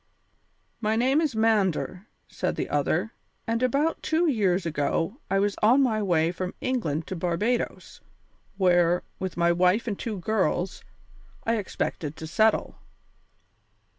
"My name is Mander," said the other, "and about two years ago I was on my way from England to Barbadoes, where, with my wife and two girls, I expected to settle.